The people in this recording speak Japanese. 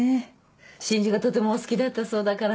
真珠がとてもお好きだったそうだから。